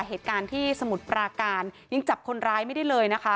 เหตุการณ์ที่สมุทรปราการยังจับคนร้ายไม่ได้เลยนะคะ